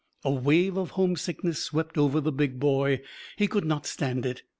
A wave of homesickness swept over the big boy he could not stand it.